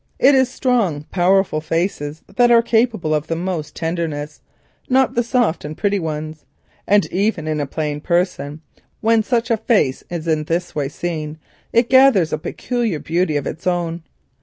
It is strong, powerful faces that are capable of the most tenderness, not the soft and pretty ones, and even in a plain person, when such a face is in this way seen, it gathers a peculiar beauty of its own.